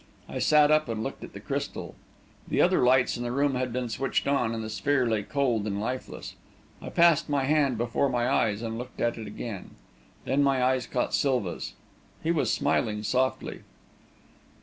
I sat up and looked at the crystal. The other lights in the room had been switched on, and the sphere lay cold and lifeless. I passed my hand before my eyes, and looked at it again; then my eyes sought Silva's. He was smiling softly.